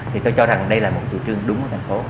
thì tôi cho rằng đây là một chủ trương đúng của thành phố